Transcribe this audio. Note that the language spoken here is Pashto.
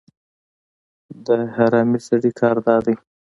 د حرامي سړي کار دا دی